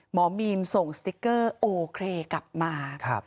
หมอมีนส่งสติ๊กเกอร์โอเคกลับมา